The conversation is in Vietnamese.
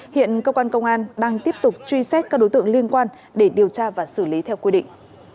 hiện cơ quan công an đang tiếp tục truy xét các đối tượng liên quan để điều tra và xử lý theo quy định